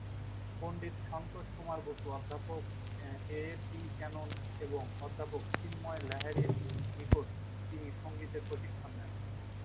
পণ্ডিত সন্তোষ কুমার বসু, অধ্যাপক A T Cannon এবং অধ্যাপক চিন্ময় লাহিড়ীর নিকট তিনি সঙ্গীতের প্রশিক্ষণ নেন।